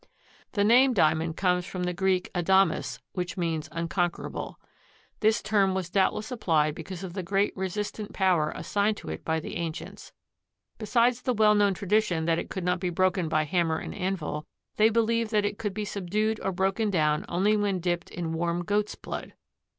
The name Diamond comes from the Greek adamas, which means unconquerable. This term was doubtless applied because of the great resistant power assigned to it by the ancients. Besides the well known tradition that it could not be broken by hammer and anvil, they believed that it could be subdued or broken down only when dipped in warm goat's blood.